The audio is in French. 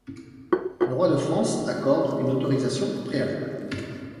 Le roi de France accorde une autorisation préalable.